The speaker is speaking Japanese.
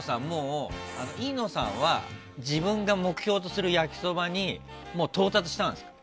飯野さんは自分が目標とする焼きそばにもう到達したんですか？